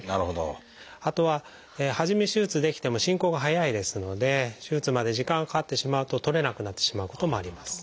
あとは初め手術できても進行が速いですので手術まで時間がかかってしまうと取れなくなってしまうこともあります。